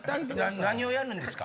何をやるんですか？